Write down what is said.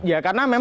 ya karena memang